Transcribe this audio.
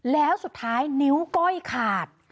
แล้วสุดท้ายนิ้วก้อยขาด